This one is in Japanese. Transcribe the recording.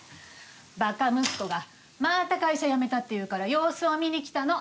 ばか息子がまた会社辞めたっていうから様子を見にきたの。